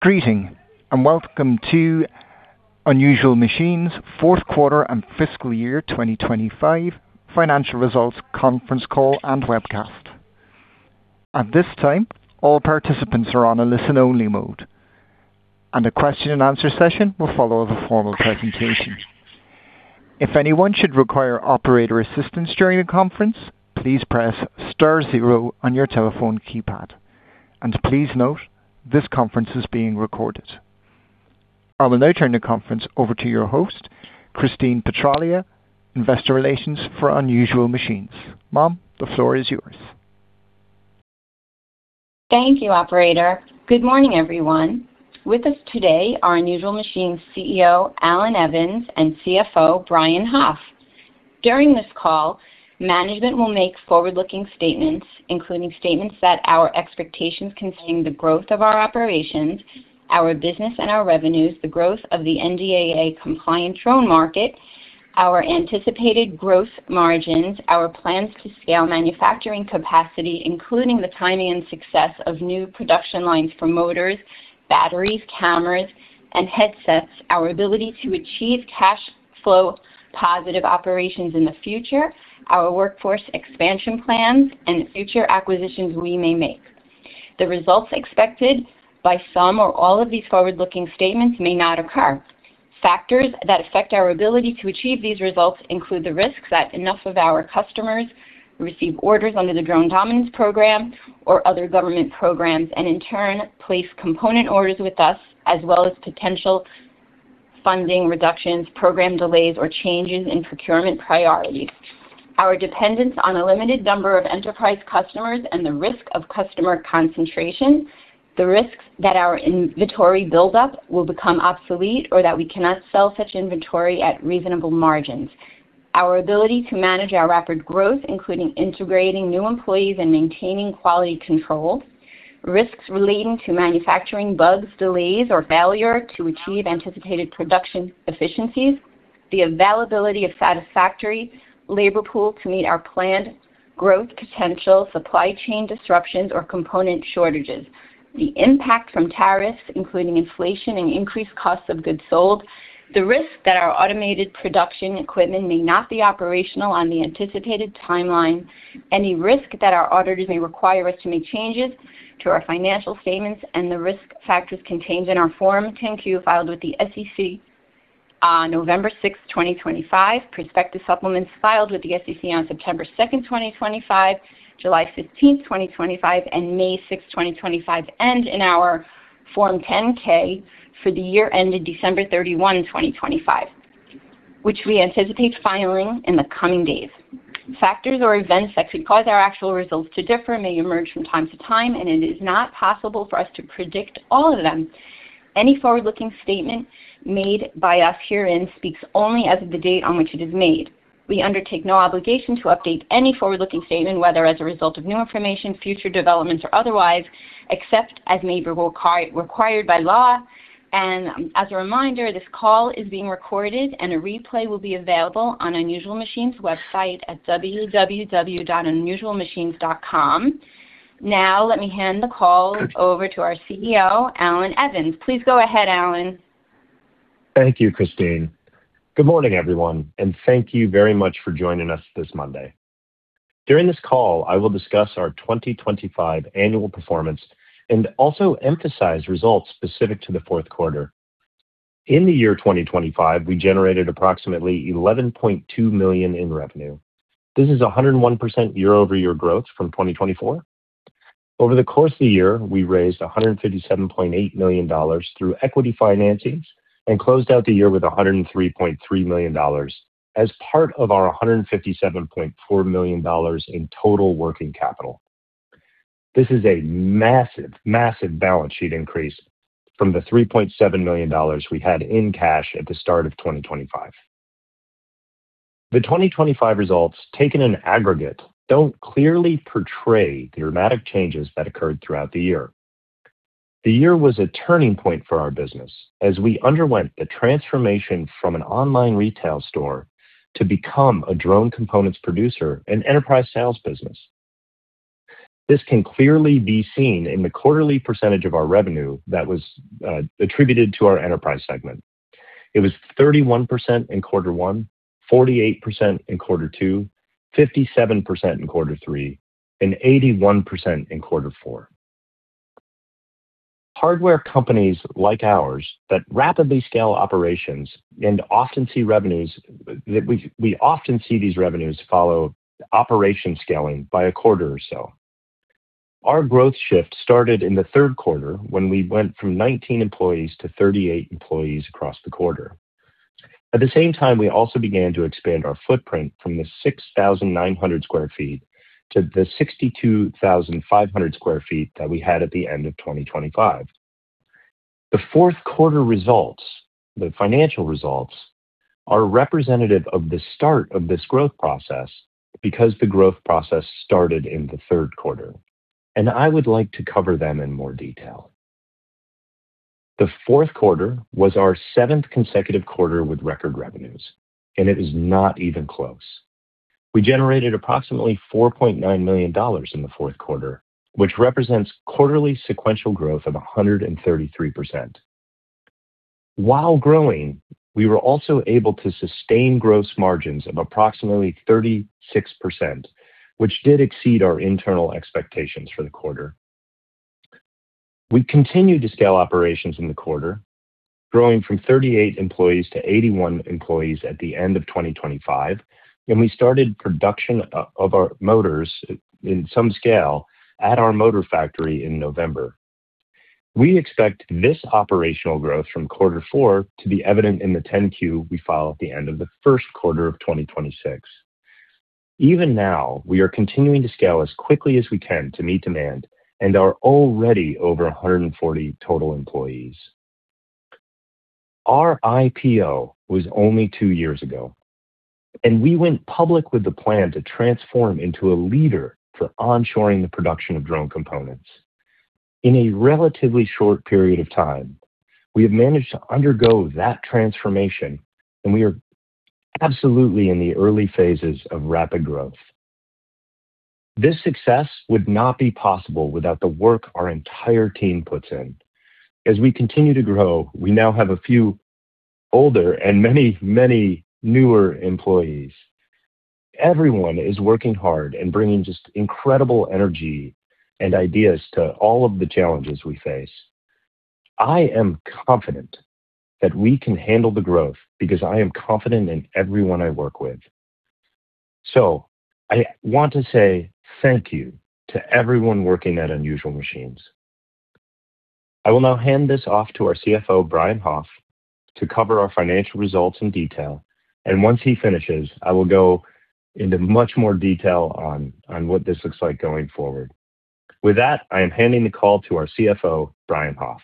Greetings, welcome to Unusual Machines Q4 and FY 2025 financial results conference call and webcast. At this time, all participants are on a listen-only mode. A question and answer session will follow the formal presentation. If anyone should require operator assistance during the conference, please press star zero on your telephone keypad. Please note, this conference is being recorded. I will now turn the conference over to your host, Christine Petraglia, Investor Relations for Unusual Machines. Ma'am, the floor is yours. Thank you, operator. Good morning, everyone. With us today are Unusual Machines CEO, Allan Evans, and CFO, Brian Hoff. During this call, management will make forward-looking statements, including statements that our expectations concerning the growth of our operations, our business and our revenues, the growth of the NDAA compliant drone market, our anticipated growth margins, our plans to scale manufacturing capacity, including the timing and success of new production lines for motors, batteries, cameras and headsets, our ability to achieve cash flow positive operations in the future, our workforce expansion plans and future acquisitions we may make. The results expected by some or all of these forward-looking statements may not occur. Factors that affect our ability to achieve these results include the risks that enough of our customers receive orders under the Drone Dominance program or other government programs, and in turn, place component orders with us, as well as potential funding reductions, program delays, or changes in procurement priorities. Our dependence on a limited number of enterprise customers and the risk of customer concentration, the risks that our inventory build-up will become obsolete or that we cannot sell such inventory at reasonable margins. Our ability to manage our rapid growth, including integrating new employees and maintaining quality control. Risks relating to manufacturing bugs, delays, or failure to achieve anticipated production efficiencies. The availability of satisfactory labor pool to meet our planned growth potential, supply chain disruptions or component shortages. The impact from tariffs, including inflation and increased costs of goods sold. The risk that our automated production equipment may not be operational on the anticipated timeline. Any risk that our auditors may require us to make changes to our financial statements and the risk factors contained in our Form 10-Q filed with the SEC on 6 November 2025. Prospective supplements filed with the SEC on 2 September 2025, 15 July 2025, and 6 May 2025. In our Form 10-K for the year ended December 31, 2025, which we anticipate filing in the coming days. Factors or events that could cause our actual results to differ may emerge from time to time, and it is not possible for us to predict all of them. Any forward-looking statement made by us herein speaks only as of the date on which it is made. We undertake no obligation to update any forward-looking statement, whether as a result of new information, future developments or otherwise, except as may be required by law. As a reminder, this call is being recorded and a replay will be available on Unusual Machines website at www.unusualmachines.com. Let me hand the call over to our CEO, Allan Evans. Please go ahead, Allan. Thank you, Christine. Good morning, everyone, and thank you very much for joining us this Monday. During this call, I will discuss our 2025 annual performance and also emphasize results specific to the Q4. In the year 2025, we generated approximately $11.2 million in revenue. This is 101% year-over-year growth from 2024. Over the course of the year, we raised $157.8 million through equity financings and closed out the year with $103.3 million as part of our $157.4 million in total working capital. This is a massive balance sheet increase from the $3.7 million we had in cash at the start of 2025. The 2025 results, taken in aggregate, don't clearly portray the dramatic changes that occurred throughout the year. The year was a turning point for our business as we underwent the transformation from an online retail store to become a drone components producer and enterprise sales business. This can clearly be seen in the quarterly percentage of our revenue that was attributed to our enterprise segment. It was 31% in quarter 1, 48% in quarter 2, 57% in quarter 3, and 81% in quarter 4. Hardware companies like ours that rapidly scale operations and often see revenues that we often see these revenues follow operation scaling by a quarter or so. Our growth shift started in the Q3 when we went from 19 employees to 38 employees across the quarter. At the same time, we also began to expand our footprint from the 6,900 sq ft to the 62,500 sq ft that we had at the end of 2025. The Q4 results, the financial results, are representative of the start of this growth process because the growth process started in the 3rd quarter, and I would like to cover them in more detail. The Q4 was our 7th consecutive quarter with record revenues, and it is not even close. We generated approximately $4.9 million in the Q4, which represents quarterly sequential growth of 133%. While growing, we were also able to sustain gross margins of approximately 36%, which did exceed our internal expectations for the quarter. We continued to scale operations in the quarter, growing from 38 employees to 81 employees at the end of 2025, we started production of our motors in some scale at our motor factory in November. We expect this operational growth from quarter four to be evident in the 10-Q we file at the end of the first quarter of 2026. Even now, we are continuing to scale as quickly as we can to meet demand and are already over 140 total employees. Our IPO was only 2 years ago, we went public with the plan to transform into a leader for onshoring the production of drone components. In a relatively short period of time, we have managed to undergo that transformation, we are absolutely in the early phases of rapid growth. This success would not be possible without the work our entire team puts in. As we continue to grow, we now have a few older and many newer employees. Everyone is working hard and bringing just incredible energy and ideas to all of the challenges we face. I am confident that we can handle the growth because I am confident in everyone I work with. I want to say thank you to everyone working at Unusual Machines. I will now hand this off to our CFO, Brian Hoff, to cover our financial results in detail. Once he finishes, I will go into much more detail on what this looks like going forward. With that, I am handing the call to our CFO, Brian Hoff.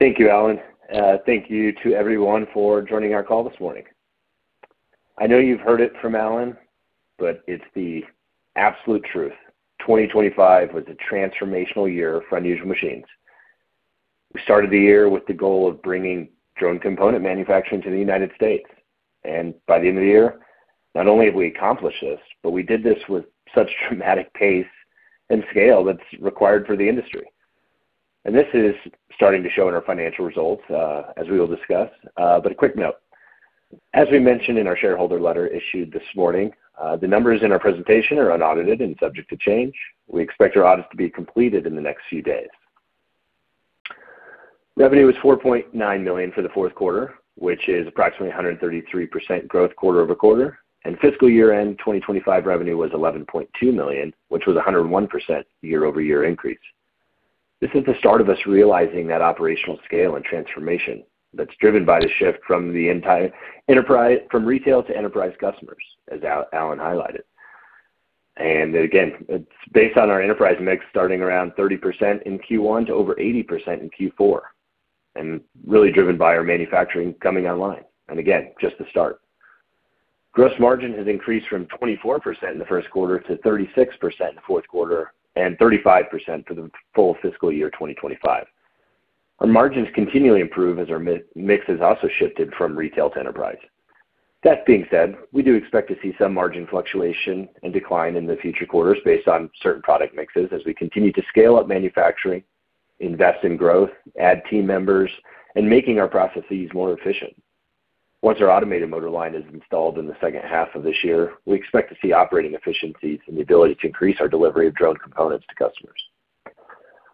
Thank you, Allan. Thank you to everyone for joining our call this morning. I know you've heard it from Allan, it's the absolute truth. 2025 was a transformational year for Unusual Machines. We started the year with the goal of bringing drone component manufacturing to the United States. By the end of the year, not only have we accomplished this, we did this with such dramatic pace and scale that's required for the industry. This is starting to show in our financial results, as we will discuss. A quick note. As we mentioned in our shareholder letter issued this morning, the numbers in our presentation are unaudited and subject to change. We expect our audits to be completed in the next few days. Revenue was $4.9 million for the Q4, which is approximately 133% growth quarter-over-quarter. FY-end 2025 revenue was $11.2 million, which was a 101% year-over-year increase. This is the start of us realizing that operational scale and transformation that's driven by the shift from the entire enterprise from retail to enterprise customers, as Alan highlighted. Again, it's based on our enterprise mix starting around 30% in Q1 to over 80% in Q4, really driven by our manufacturing coming online. Again, just the start. Gross margin has increased from 24% in the first quarter to 36% in the Q4 and 35% for the full FY 2025. Our margins continually improve as our mix has also shifted from retail to enterprise. That being said, we do expect to see some margin fluctuation and decline in the future quarters based on certain product mixes as we continue to scale up manufacturing, invest in growth, add team members, and making our processes more efficient. Once our automated motor line is installed in the H2 of this year, we expect to see operating efficiencies and the ability to increase our delivery of drone components to customers.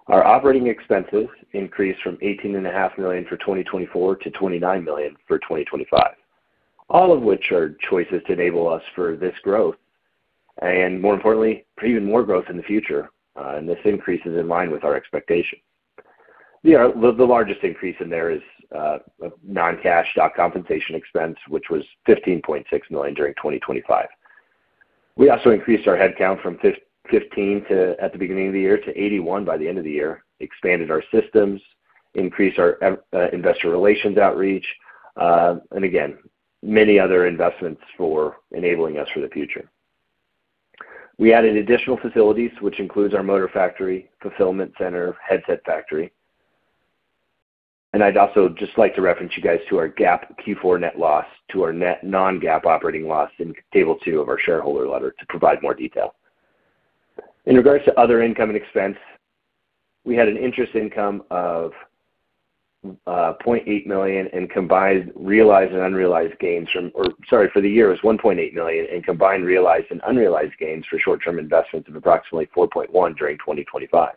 Our operating expenses increased from $18.5 million for 2024 to $29 million for 2025. All of which are choices to enable us for this growth, and more importantly, for even more growth in the future. This increase is in line with our expectations. You know, the largest increase in there is non-cash stock compensation expense, which was $15.6 million during 2025. We also increased our headcount from 15 at the beginning of the year to 81 by the end of the year, expanded our systems, increased our investor relations outreach, and again, many other investments for enabling us for the future. We added additional facilities, which includes our motor factory, fulfillment center, headset factory. I'd also just like to reference you guys to our GAAP Q4 net loss to our net non-GAAP operating loss in table two of our shareholder letter to provide more detail. In regards to other income and expense, we had an interest income of $0.8 million in combined realized and unrealized gains. Or sorry, for the year was $1.8 million in combined realized and unrealized gains for short-term investments of approximately $4.1 million during 2025.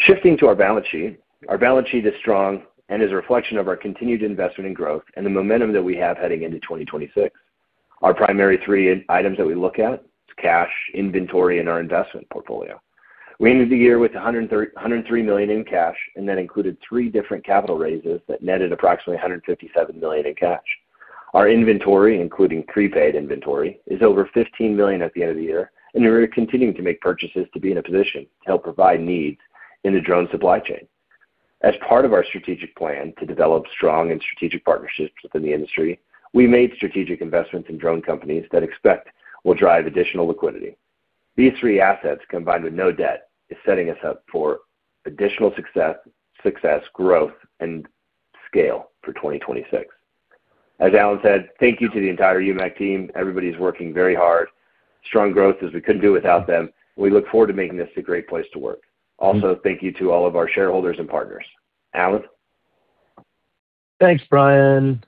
Shifting to our balance sheet. Our balance sheet is strong and is a reflection of our continued investment in growth and the momentum that we have heading into 2026. Our primary three items that we look at is cash, inventory, and our investment portfolio. We ended the year with $103 million in cash, and that included three different capital raises that netted approximately $157 million in cash. Our inventory, including prepaid inventory, is over $15 million at the end of the year, and we're continuing to make purchases to be in a position to help provide needs in the drone supply chain. As part of our strategic plan to develop strong and strategic partnerships within the industry, we made strategic investments in drone companies that expect will drive additional liquidity. These three assets combined with no debt is setting us up for additional success, growth, and scale for 2026. As Allan said, thank you to the entire UMAC team. Everybody's working very hard. Strong growth as we couldn't do without them. We look forward to making this a great place to work. Thank you to all of our shareholders and partners. Allan? Thanks, Brian.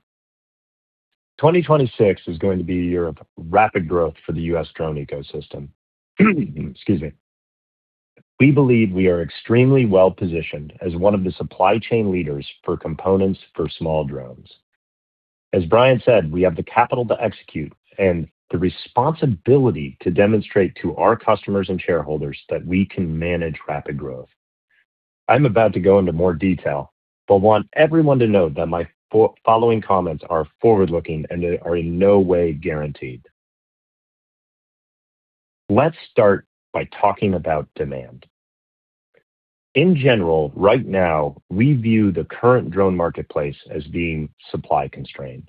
2026 is going to be a year of rapid growth for the US drone ecosystem. Excuse me. We believe we are extremely well-positioned as one of the supply chain leaders for components for small drones. As Brian said, we have the capital to execute and the responsibility to demonstrate to our customers and shareholders that we can manage rapid growth. I'm about to go into more detail. Want everyone to note that my following comments are forward-looking and they are in no way guaranteed. Let's start by talking about demand. In general, right now, we view the current drone marketplace as being supply constrained.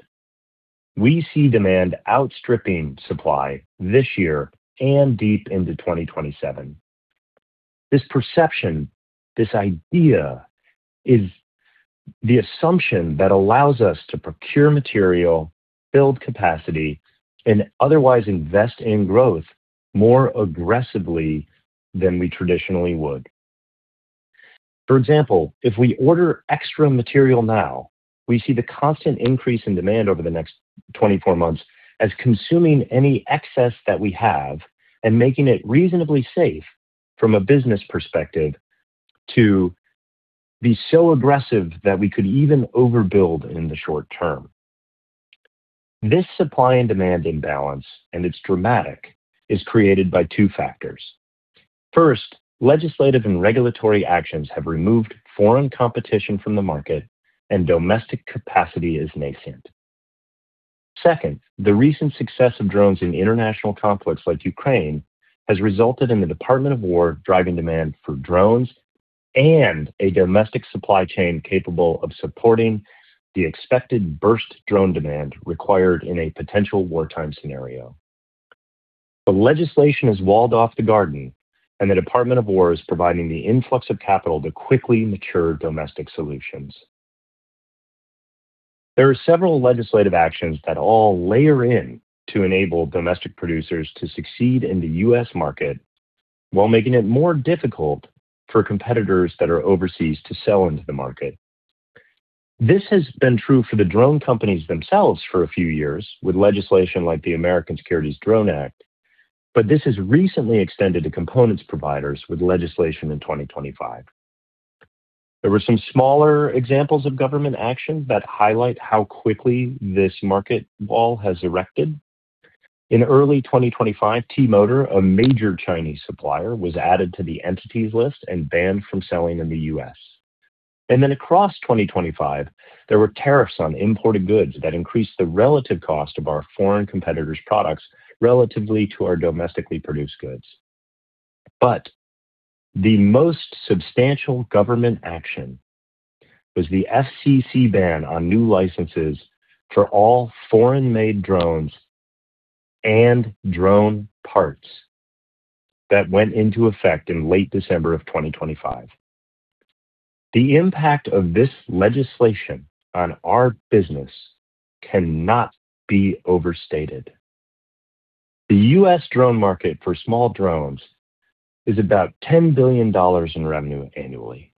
We see demand outstripping supply this year and deep into 2027. This perception, this idea is the assumption that allows us to procure material, build capacity, and otherwise invest in growth more aggressively than we traditionally would. For example, if we order extra material now, we see the constant increase in demand over the next 24 months as consuming any excess that we have and making it reasonably safe from a business perspective to be so aggressive that we could even overbuild in the short term. This supply and demand imbalance, and it's dramatic, is created by two factors. First, legislative and regulatory actions have removed foreign competition from the market and domestic capacity is nascent. Second, the recent success of drones in international conflicts like Ukraine has resulted in the Department of War driving demand for drones and a domestic supply chain capable of supporting the expected burst drone demand required in a potential wartime scenario. The legislation has walled off the garden, and the Department of War is providing the influx of capital to quickly mature domestic solutions. There are several legislative actions that all layer in to enable domestic producers to succeed in the US market while making it more difficult for competitors that are overseas to sell into the market. This has been true for the drone companies themselves for a few years with legislation like the American Security Drone Act, this has recently extended to components providers with legislation in 2025. There were some smaller examples of government action that highlight how quickly this market wall has erected. In early 2025, T-Motor, a major Chinese supplier, was added to the Entity List and banned from selling in the US Across 2025, there were tariffs on imported goods that increased the relative cost of our foreign competitors' products relatively to our domestically produced goods. The most substantial government action was the FCC ban on new licenses for all foreign-made drones and drone parts that went into effect in late December 2025. The impact of this legislation on our business cannot be overstated. The US drone market for small drones is about $10 billion in revenue annually.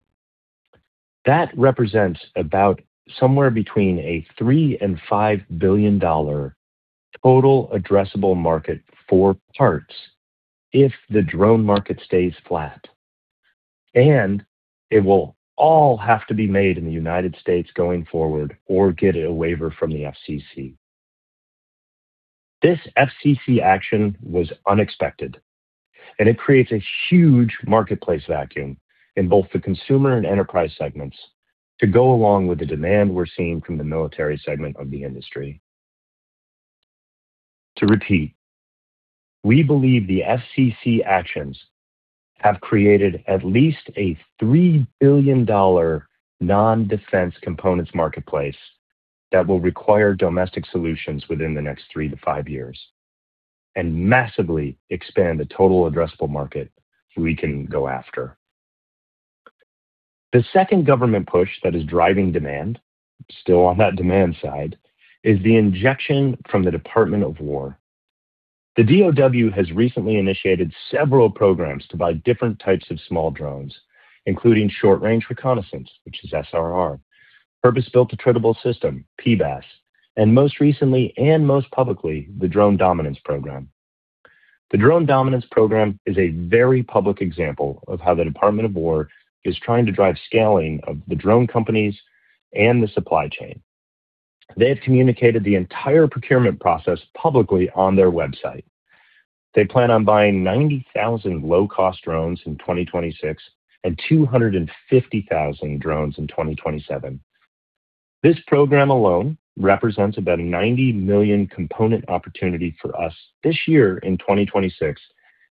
That represents about somewhere between a $3-5 billion total addressable market for parts if the drone market stays flat, and it will all have to be made in the United States going forward or get a waiver from the FCC. This FCC action was unexpected, and it creates a huge marketplace vacuum in both the consumer and enterprise segments to go along with the demand we're seeing from the military segment of the industry. To repeat, we believe the FCC actions have created at least a $3 billion non-defense components marketplace that will require domestic solutions within the next three-five years and massively expand the total addressable market we can go after. The second government push that is driving demand, still on that demand side, is the injection from the Department of War. The DoD has recently initiated several programs to buy different types of small drones, including short-range reconnaissance, which is SRR, purpose-built attributable system, PBAS, and most recently and most publicly, the Drone Dominance Program. The Drone Dominance Program is a very public example of how the Department of War is trying to drive scaling of the drone companies and the supply chain. They have communicated the entire procurement process publicly on their website. They plan on buying 90,000 low-cost drones in 2026 and 250,000 drones in 2027. This program alone represents about a $90 million component opportunity for us this year in 2026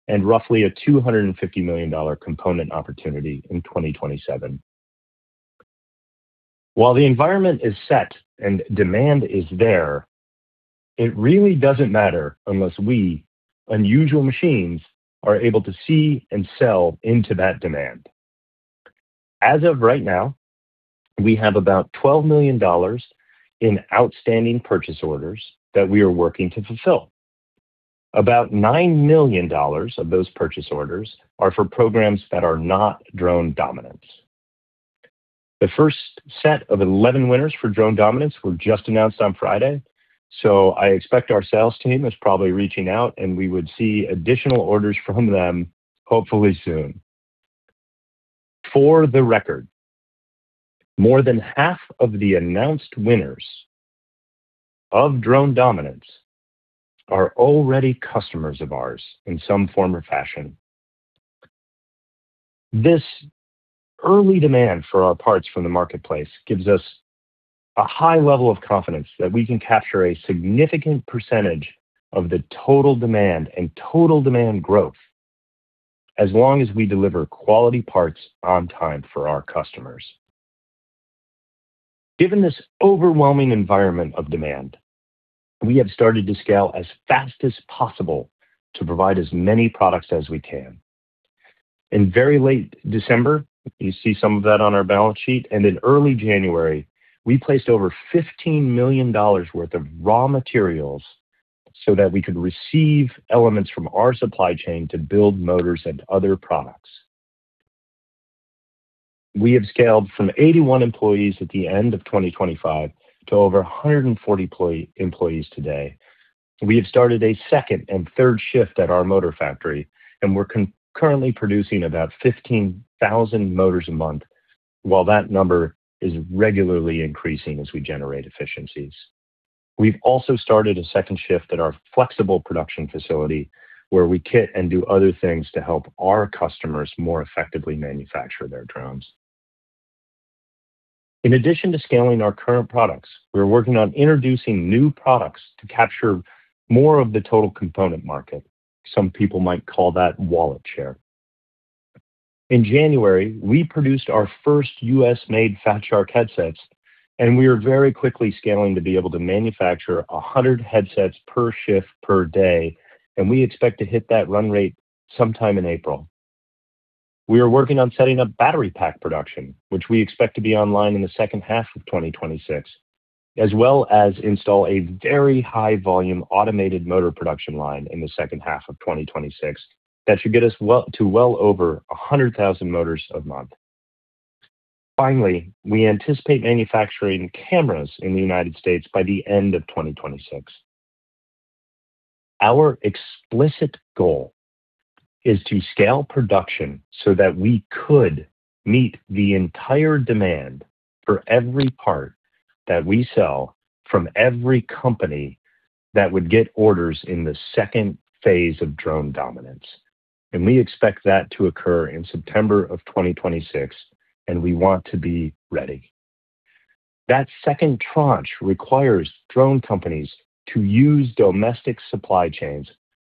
and roughly a $250 million component opportunity in 2027. While the environment is set and demand is there, it really doesn't matter unless we, Unusual Machines, are able to see and sell into that demand. As of right now, we have about $12 million in outstanding purchase orders that we are working to fulfill. About $9 million of those purchase orders are for programs that are not Drone Dominance. The first set of 11 winners for Drone Dominance were just announced on Friday, so I expect our sales team is probably reaching out, and we would see additional orders from them hopefully soon. For the record, more than half of the announced winners of Drone Dominance are already customers of ours in some form or fashion. This early demand for our parts from the marketplace gives us a high level of confidence that we can capture a significant percentage of the total demand and total demand growth as long as we deliver quality parts on time for our customers. Given this overwhelming environment of demand, we have started to scale as fast as possible to provide as many products as we can. In very late December, you see some of that on our balance sheet, and in early January, we placed over $15 million worth of raw materials so that we could receive elements from our supply chain to build motors and other products. We have scaled from 81 employees at the end of 2025 to over 140 employees today. We have started a second and third shift at our motor factory. We're currently producing about 15,000 motors a month, while that number is regularly increasing as we generate efficiencies. We've also started a second shift at our flexible production facility, where we kit and do other things to help our customers more effectively manufacture their drones. In addition to scaling our current products, we are working on introducing new products to capture more of the total component market. Some people might call that wallet share. In January, we produced our first US-made Fat Shark headsets. We are very quickly scaling to be able to manufacture 100 headsets per shift per day. We expect to hit that run rate sometime in April. We are working on setting up battery pack production, which we expect to be online in the H2 of 2026, as well as install a very high volume automated motor production line in the H2 of 2026 that should get us to well over 100,000 motors a month. Finally, we anticipate manufacturing cameras in the United States by the end of 2026. Our explicit goal is to scale production so that we could meet the entire demand for every part that we sell from every company that would get orders in the second phase of Drone Dominance. We expect that to occur in September of 2026. We want to be ready. That second tranche requires drone companies to use domestic supply chains,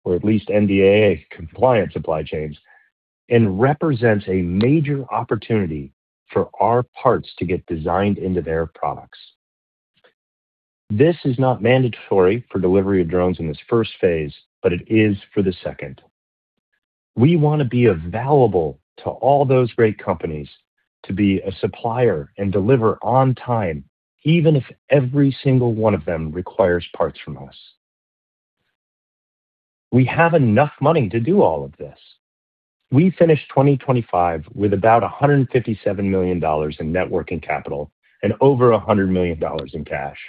or at least NDAA-compliant supply chains, represents a major opportunity for our parts to get designed into their products. This is not mandatory for delivery of drones in this first phase, it is for the second. We want to be available to all those great companies to be a supplier and deliver on time, even if every single one of them requires parts from us. We have enough money to do all of this. We finished 2025 with about $157 million in net working capital and over $100 million in cash.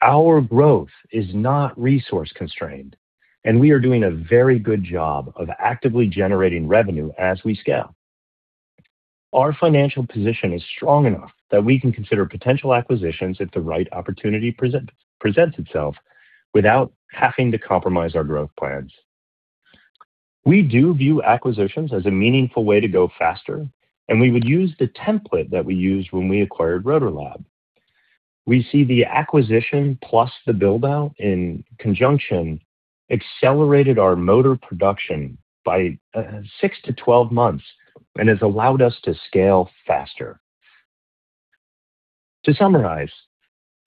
Our growth is not resource constrained, we are doing a very good job of actively generating revenue as we scale. Our financial position is strong enough that we can consider potential acquisitions if the right opportunity presents itself without having to compromise our growth plans. We do view acquisitions as a meaningful way to go faster, and we would use the template that we used when we acquired Rotor Lab. We see the acquisition plus the build-out in conjunction accelerated our motor production by 6-12 months and has allowed us to scale faster. To summarize,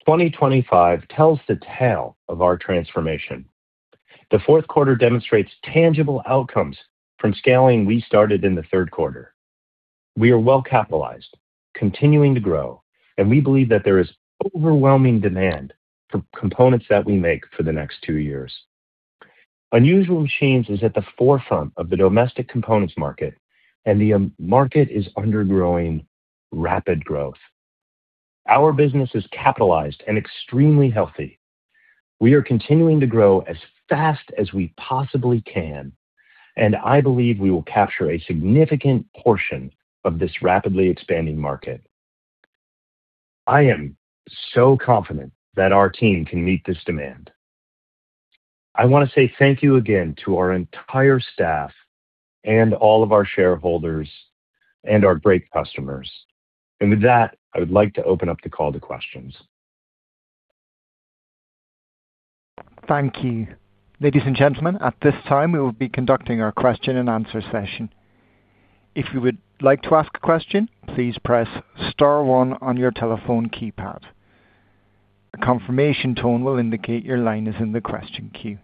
2025 tells the tale of our transformation. The Q4 demonstrates tangible outcomes from scaling we started in the Q3. We are well capitalized, continuing to grow, and we believe that there is overwhelming demand for components that we make for the next two years. Unusual Machines is at the forefront of the domestic components market, and the market is undergoing rapid growth. Our business is capitalized and extremely healthy. We are continuing to grow as fast as we possibly can, and I believe we will capture a significant portion of this rapidly expanding market. I am so confident that our team can meet this demand. I want to say thank you again to our entire staff and all of our shareholders and our great customers. With that, I would like to open up the call to questions. Thank you. Ladies and gentlemen, at this time, we will be conducting our question and answer session. If you would like to ask a question, please press star one on your telephone keypad. A confirmation tone will indicate your line is in the question queue.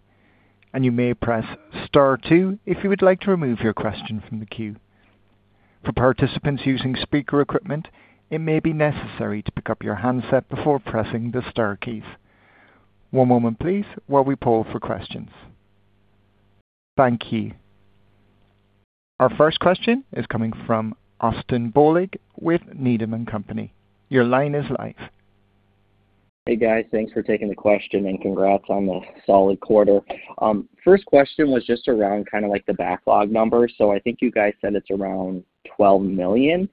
You may press star two if you would like to remove your question from the queue. For participants using speaker equipment, it may be necessary to pick up your handset before pressing the star keys. One moment please while we poll for questions. Thank you. Our first question is coming from Austin Bohlig with Needham & Company. Your line is live. Hey, guys. Thanks for taking the question and congrats on the solid quarter. First question was just around kind of like the backlog numbers. I think you guys said it's around $12 million.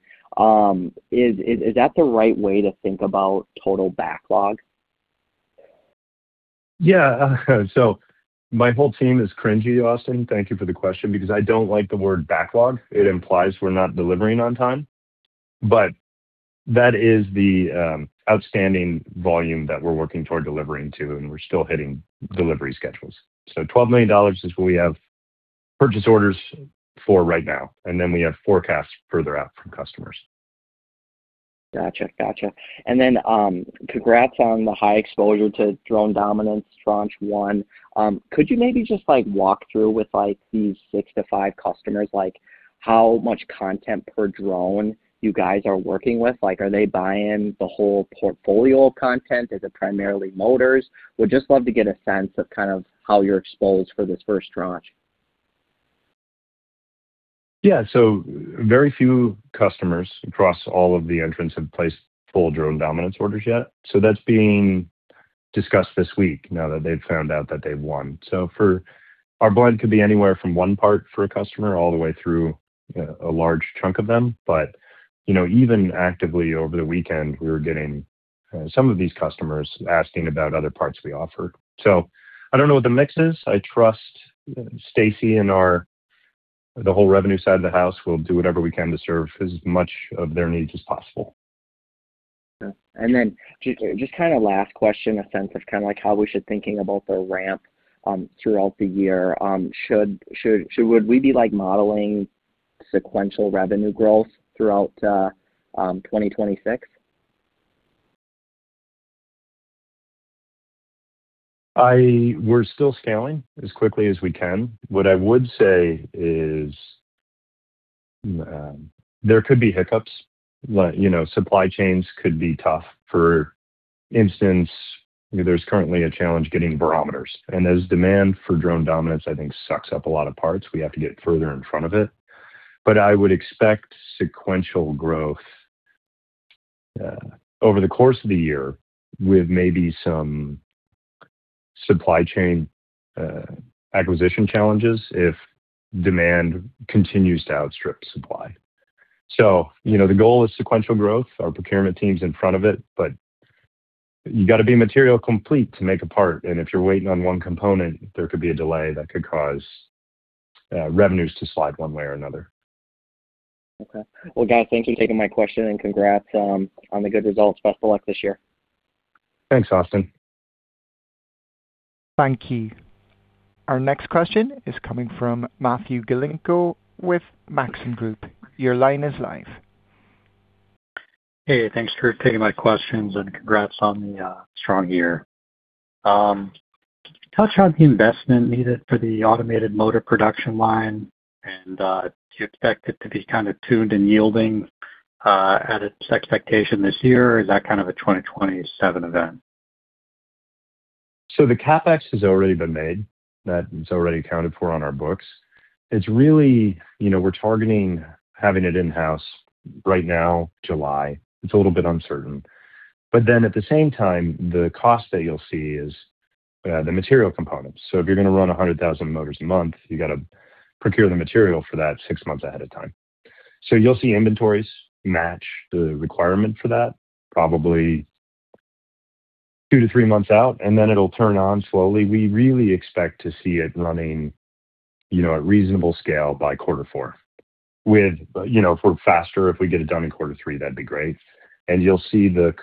Is that the right way to think about total backlog? My whole team is cringey, Austin. Thank you for the question because I don't like the word backlog. It implies we're not delivering on time. That is the outstanding volume that we're working toward delivering to, and we're still hitting delivery schedules. $12 million is what we have purchase orders for right now, and then we have forecasts further out from customers. Gotcha. Gotcha. Then, congrats on the high exposure to Drone Dominance Tranche One. Could you maybe just, like, walk through with, like, these six-five customers, like how much content per drone you guys are working with? Like, are they buying the whole portfolio of content? Is it primarily motors? Would just love to get a sense of kind of how you're exposed for this first tranche. Yeah. Very few customers across all of the entrants have placed full Drone Dominance orders yet. That's being discussed this week now that they've found out that they've won. Our blend could be anywhere from one part for a customer all the way through a large chunk of them. You know, even actively over the weekend, we were getting some of these customers asking about other parts we offer. I don't know what the mix is. I trust Stacy and the whole revenue side of the house. We'll do whatever we can to serve as much of their needs as possible. Yeah. Then just kind of last question, a sense of kind of like how we should thinking about the ramp throughout the year. Would we be, like, modeling sequential revenue growth throughout 2026? We're still scaling as quickly as we can. What I would say is, there could be hiccups. Like, you know, supply chains could be tough. For instance, there's currently a challenge getting barometers. As demand for Drone Dominance, I think, sucks up a lot of parts, we have to get further in front of it. I would expect sequential growth over the course of the year with maybe some supply chain acquisition challenges if demand continues to outstrip supply. You know, the goal is sequential growth. Our procurement team's in front of it, but you gotta be material complete to make a part. If you're waiting on one component, there could be a delay that could cause revenues to slide one way or another. Okay. Well, guys, thank you for taking my question, and congrats on the good results. Best of luck this year. Thanks, Austin. Thank you. Our next question is coming from Matthew Galinko with Maxim Group. Your line is live. Hey, thanks for taking my questions, and congrats on the strong year. Touch on the investment needed for the automated motor production line and do you expect it to be kind of tuned and yielding at its expectation this year, or is that kind of a 2027 event? The CapEx has already been made. That is already accounted for on our books. It's really, you know, we're targeting having it in-house right now, July. It's a little bit uncertain. At the same time, the cost that you'll see is the material components. If you're gonna run 100,000 motors a month, you gotta procure the material for that six months ahead of time. You'll see inventories match the requirement for that probably two-three months out, and then it'll turn on slowly. We really expect to see it running, you know, at reasonable scale by quarter 4. With, you know, if we're faster, if we get it done in quarter 3, that'd be great. You'll see the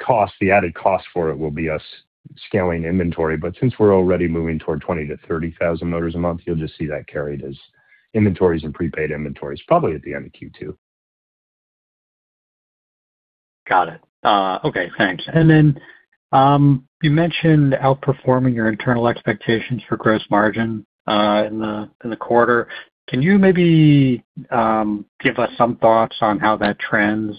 cost, the added cost for it will be us scaling inventory. Since we're already moving toward 20,000-30,000 motors a month, you'll just see that carried as inventories and prepaid inventories probably at the end of Q2. Got it. Okay, thanks. You mentioned outperforming your internal expectations for gross margin in the quarter. Can you maybe give us some thoughts on how that trends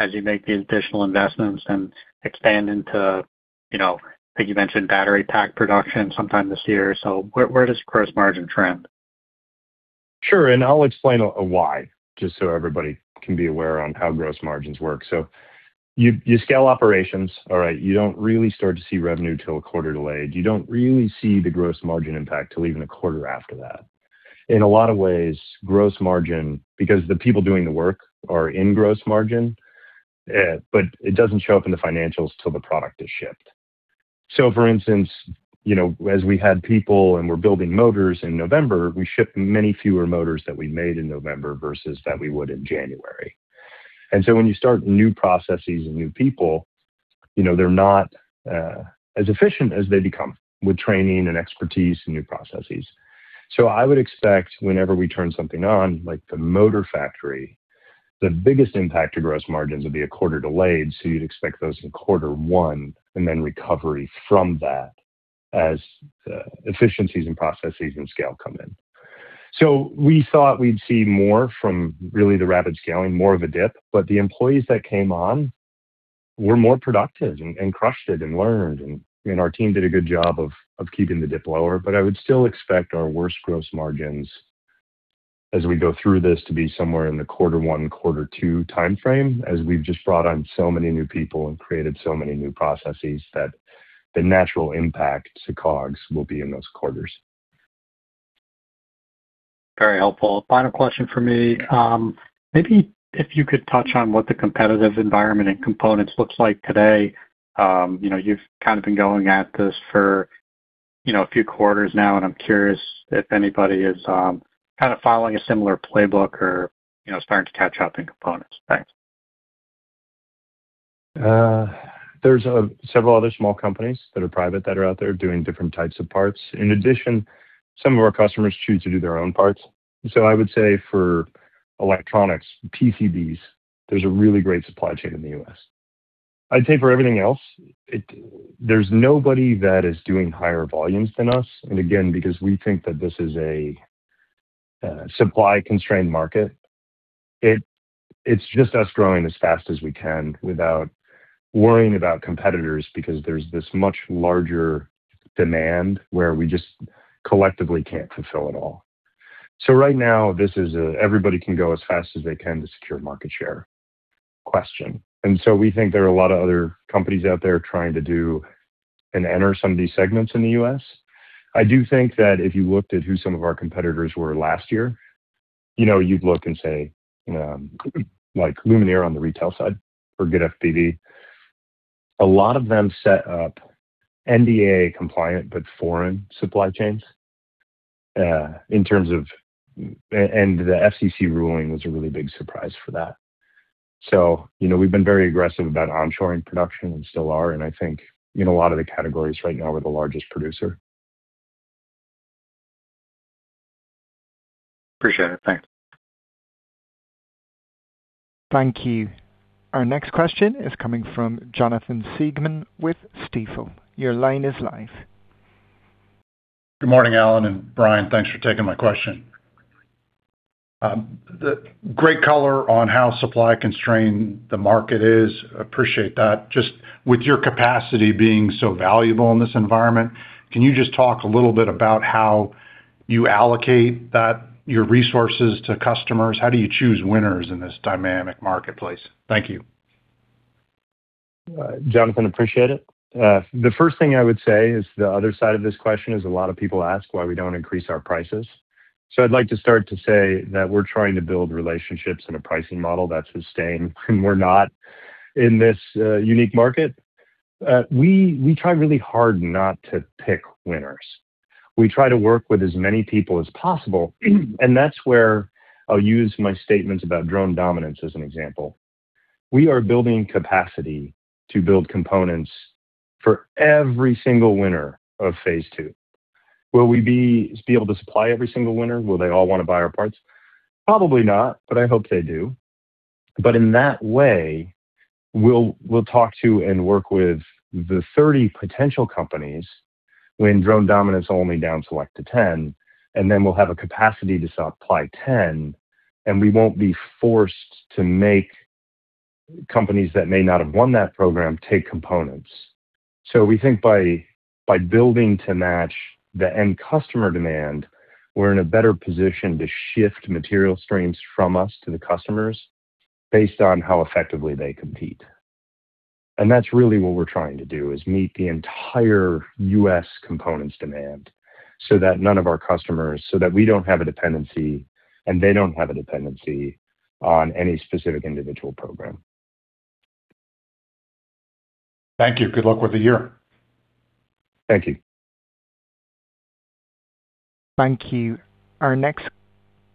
as you make the additional investments and expand into, you know, I think you mentioned battery pack production sometime this year. Where does gross margin trend? Sure. I'll explain why, just so everybody can be aware on how gross margins work. You scale operations, all right? You don't really start to see revenue till a quarter delayed. You don't really see the gross margin impact till even a quarter after that. In a lot of ways, gross margin, because the people doing the work are in gross margin, but it doesn't show up in the financials till the product is shipped. For instance, you know, as we had people and we're building motors in November, we shipped many fewer motors that we made in November versus that we would in January. When you start new processes and new people, you know, they're not as efficient as they become with training and expertise and new processes. I would expect whenever we turn something on, like the motor factory, the biggest impact to gross margins would be a quarter delayed. You'd expect those in Q1 and then recovery from that as efficiencies and processes and scale come in. We thought we'd see more from really the rapid scaling, more of a dip, but the employees that came on were more productive and crushed it and learned, and our team did a good job of keeping the dip lower. I would still expect our worst gross margins as we go through this to be somewhere in the Q1, Q2 timeframe, as we've just brought on so many new people and created so many new processes that the natural impact to COGS will be in those quarters. Very helpful. Final question for me. Maybe if you could touch on what the competitive environment and components looks like today. You know, you've kind of been going at this for, you know, a few quarters now, and I'm curious if anybody is, kind of following a similar playbook or, you know, starting to catch up in components. Thanks. There's several other small companies that are private that are out there doing different types of parts. In addition, some of our customers choose to do their own parts. I would say for electronics, PCBs, there's a really great supply chain in the US I'd say for everything else, there's nobody that is doing higher volumes than us. Again, because we think that this is a supply-constrained market, it's just us growing as fast as we can without worrying about competitors because there's this much larger demand where we just collectively can't fulfill it all. Right now this is a everybody can go as fast as they can to secure market share question. We think there are a lot of other companies out there trying to do and enter some of these segments in the US I do think that if you looked at who some of our competitors were last year, you know, you'd look and say, like Lumenier on the retail side or GetFPV. A lot of them set up NDAA compliant, but foreign supply chains, and the FCC ruling was a really big surprise for that. You know, we've been very aggressive about onshoring production and still are, and I think in a lot of the categories right now we're the largest producer. Appreciate it. Thanks. Thank you. Our next question is coming from Jonathan Siegmann with Stifel. Your line is live. Good morning, Allan and Brian. Thanks for taking my question. The great color on how supply constrained the market is, appreciate that. Just with your capacity being so valuable in this environment, can you just talk a little bit about how you allocate that, your resources to customers? How do you choose winners in this dynamic marketplace? Thank you. Jonathan, appreciate it. The first thing I would say is the other side of this question is a lot of people ask why we don't increase our prices. I'd like to start to say that we're trying to build relationships and a pricing model that's sustained, and we're not in this unique market. We try really hard not to pick winners. We try to work with as many people as possible, and that's where I'll use my statements about Drone Dominance as an example. We are building capacity to build components for every single winner of phase 2. Will we be able to supply every single winner? Will they all wanna buy our parts? Probably not, but I hope they do. In that way, we'll talk to and work with the 30 potential companies when Drone Dominance only down select to 10, and then we'll have a capacity to supply 10, and we won't be forced to make companies that may not have won that program take components. We think by building to match the end customer demand, we're in a better position to shift material streams from us to the customers based on how effectively they compete. That's really what we're trying to do, is meet the entire US components demand so that none of our customers, so that we don't have a dependency and they don't have a dependency on any specific individual program. Thank you. Good luck with the year. Thank you. Thank you. Our next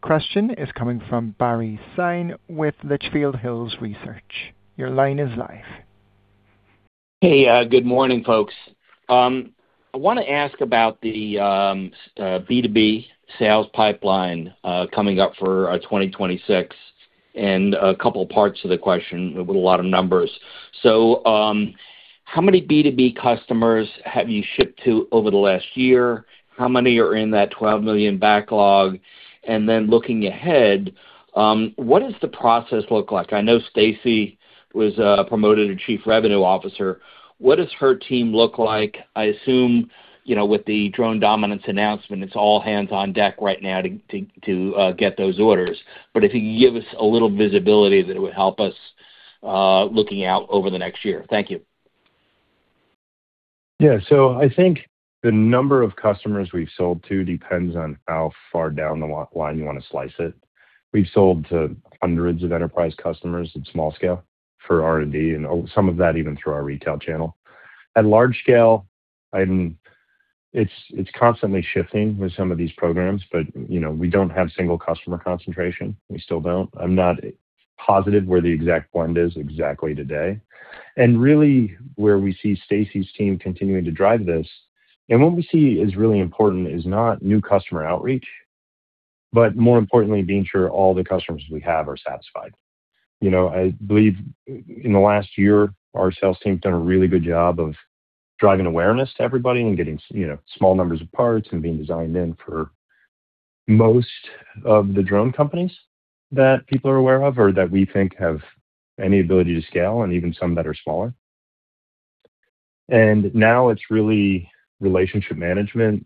question is coming from Barry Sine with Litchfield Hills Research. Your line is live. Hey, good morning, folks. I wanna ask about the B2B sales pipeline coming up for 2026 and a couple parts of the question with a lot of numbers. How many B2B customers have you shipped to over the last year? How many are in that $12 million backlog? Looking ahead, what does the process look like? I know Stacy was promoted to Chief Revenue Officer. What does her team look like? I assume, you know, with the Drone Dominance announcement, it's all hands on deck right now to get those orders. If you could give us a little visibility, that it would help us looking out over the next year. Thank you. Yeah. The number of customers we've sold to depends on how far down the line you want to slice it. We've sold to hundreds of enterprise customers in small scale for R&D, and some of that even through our retail channel. At large scale, it's constantly shifting with some of these programs, but, you know, we don't have single customer concentration. We still don't. I'm not positive where the exact blend is exactly today. Really, where we see Stacy's team continuing to drive this, and what we see is really important is not new customer outreach, but more importantly, being sure all the customers we have are satisfied. You know, I believe in the last year, our sales team's done a really good job of driving awareness to everybody and getting you know, small numbers of parts and being designed in for most of the drone companies that people are aware of or that we think have any ability to scale and even some that are smaller. Now it's really relationship management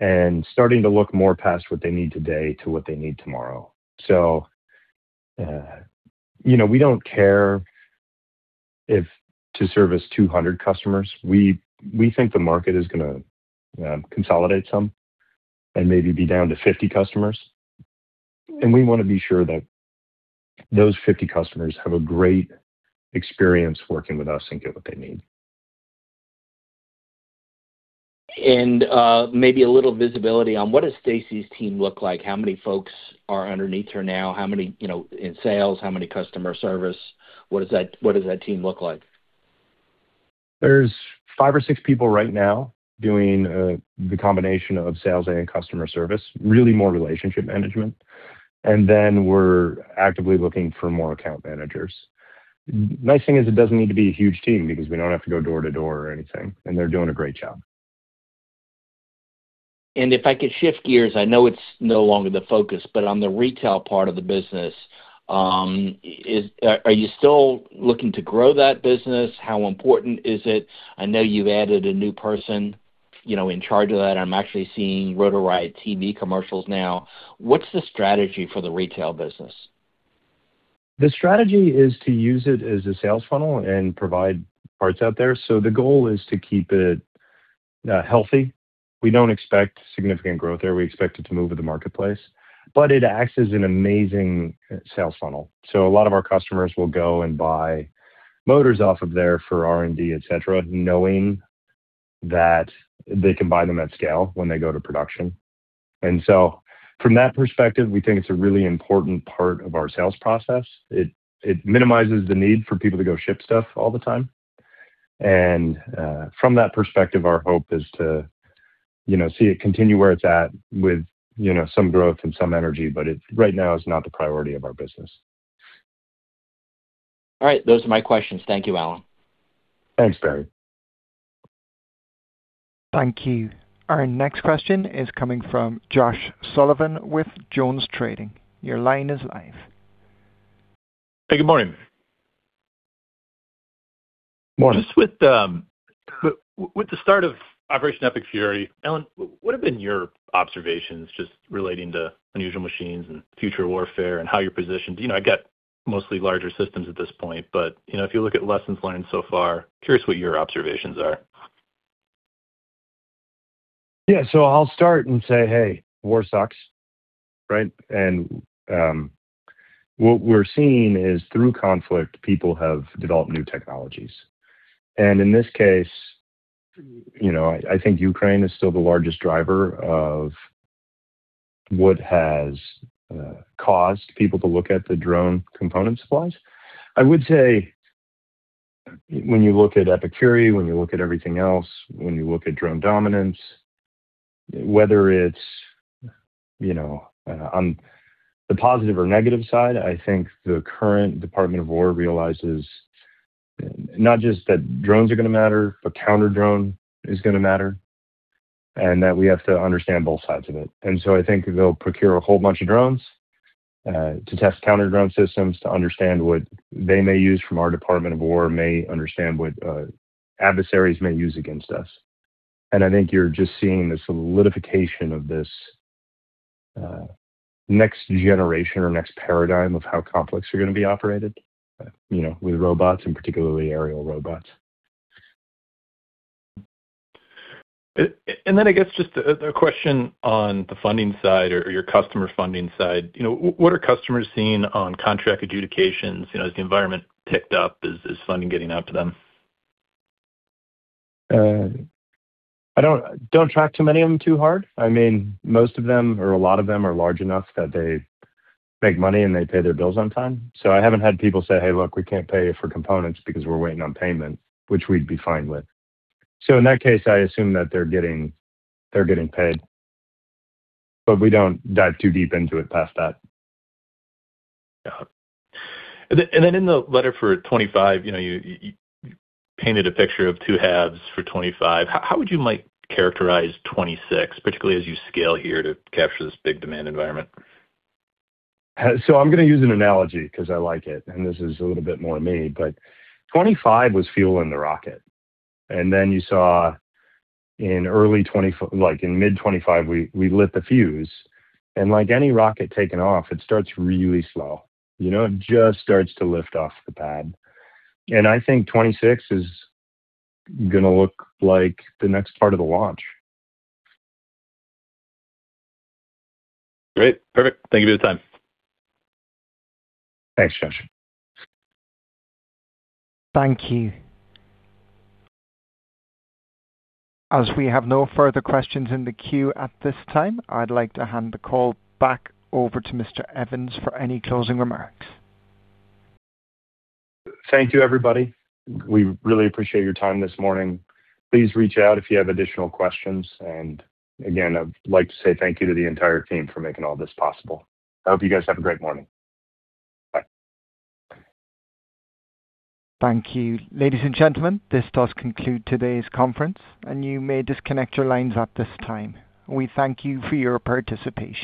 and starting to look more past what they need today to what they need tomorrow. You know, we don't care if to service 200 customers. We think the market is gonna consolidate some and maybe be down to 50 customers. We wanna be sure that those 50 customers have a great experience working with us and get what they need. Maybe a little visibility on what does Stacy's team look like? How many folks are underneath her now? How many, you know, in sales? How many customer service? What does that team look like? There's five or six people right now doing the combination of sales and customer service, really more relationship management. Then we're actively looking for more account managers. Nice thing is it doesn't need to be a huge team because we don't have to go door to door or anything, and they're doing a great job. If I could shift gears, I know it's no longer the focus, but on the retail part of the business, are you still looking to grow that business? How important is it? I know you've added a new person, you know, in charge of that. I'm actually seeing Rotor Riot TV commercials now. What's the strategy for the retail business? The strategy is to use it as a sales funnel and provide parts out there. The goal is to keep it healthy. We don't expect significant growth there. We expect it to move with the marketplace, but it acts as an amazing sales funnel. A lot of our customers will go and buy motors off of there for R&D, et cetera, knowing that they can buy them at scale when they go to production. From that perspective, we think it's a really important part of our sales process. It minimizes the need for people to go ship stuff all the time. From that perspective, our hope is to, you know, see it continue where it's at with, you know, some growth and some energy, but it right now is not the priority of our business. All right. Those are my questions. Thank you, Allan. Thanks, Barry. Thank you. Our next question is coming from Josh Sullivan with JonesTrading. Your line is live. Hey, good morning. Morning. Just with the start of Operation Epic Fury, Allan, what have been your observations just relating to Unusual Machines and future warfare and how you're positioned? You know, I got mostly larger systems at this point, but, you know, if you look at lessons learned so far, curious what your observations are. I'll start and say, hey, war sucks, right? What we're seeing is through conflict, people have developed new technologies. In this case, you know, I think Ukraine is still the largest driver of what has caused people to look at the drone component supplies. I would say when you look at Epic Fury, when you look at everything else, when you look at Drone Dominance, whether it's, you know, on the positive or negative side, I think the current Department of War realizes not just that drones are gonna matter, but counter-drone is gonna matter, and that we have to understand both sides of it. I think they'll procure a whole bunch of drones to test counter-drone systems to understand what they may use from our Department of War, may understand what adversaries may use against us. I think you're just seeing the solidification of this next generation or next paradigm of how conflicts are going to be operated, you know, with robots and particularly aerial robots. I guess just a question on the funding side or your customer funding side. You know, what are customers seeing on contract adjudications? You know, has the environment picked up? Is funding getting out to them? I don't track too many of them too hard. I mean, most of them or a lot of them are large enough that they make money and they pay their bills on time. I haven't had people say, "Hey, look, we can't pay for components because we're waiting on payment," which we'd be fine with. In that case, I assume that they're getting paid, but we don't dive too deep into it past that. Got it. Then in the letter for 25, you know, you painted a picture of two halves for 25. How would you might characterize 26, particularly as you scale here to capture this big demand environment? I'm gonna use an analogy 'cause I like it, and this is a little bit more me, but 25 was fueling the rocket. Then you saw in early like in mid 25, we lit the fuse. Like any rocket taking off, it starts really slow. You know, it just starts to lift off the pad. I think 26 is gonna look like the next part of the launch. Great. Perfect. Thank you for your time. Thanks, Josh. Thank you. As we have no further questions in the queue at this time, I'd like to hand the call back over to Mr. Evans for any closing remarks. Thank you, everybody. We really appreciate your time this morning. Please reach out if you have additional questions. Again, I'd like to say thank you to the entire team for making all this possible. I hope you guys have a great morning. Bye. Thank you. Ladies and gentlemen, this does conclude today's conference. You may disconnect your lines at this time. We thank you for your participation.